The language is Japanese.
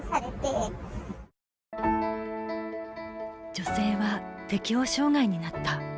女性は適応障害になった。